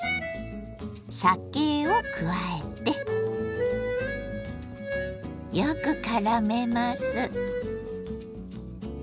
酒を加えてよくからめます。